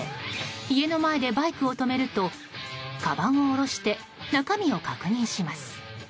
家の前でバイクを止めるとかばんを下ろして中身を確認します。